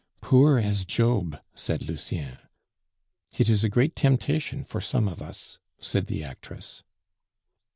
"Poor as Job," said Lucien. "It is a great temptation for some of us," said the actress.